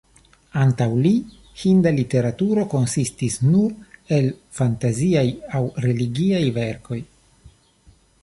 Antaŭ li hinda literaturo konsistis nur el fantaziaj aŭ religiaj verkoj.